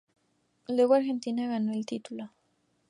Luego Argentina ganó el título.